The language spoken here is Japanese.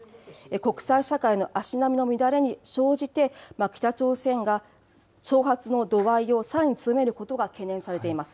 国際社会の足並みの乱れに乗じて、北朝鮮が挑発の度合いをさらに強めることが懸念されています。